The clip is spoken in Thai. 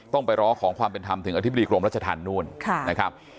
ต้องไปร้องขอความเป็นธรรมถึงอธิบดีกรมรัชธรรมนู่นนะครับ